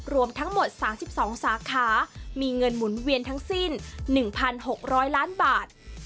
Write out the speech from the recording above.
รวมทั้งหมด๓๒สาขามีเงินหมุนเวียนทั้งสิ้น๑๖๐๐ล้านบาท